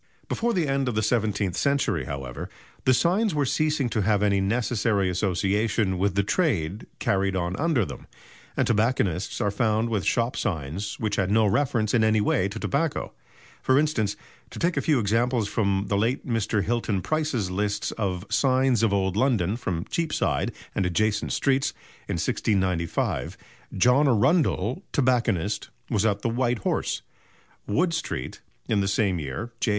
Before the end of the seventeenth century, however, the signs were ceasing to have any necessary association with the trade carried on under them, and tobacconists are found with shop signs which had no reference in any way to tobacco. For instance, to take a few examples from the late Mr. Hilton Price's lists of "Signs of Old London" from Cheapside and adjacent streets, in 1695 John Arundell, tobacconist, was at the "White Horse," Wood Street; in the same year J.